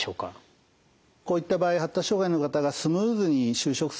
こういった場合発達障害の方がスムーズに就職するためにはですね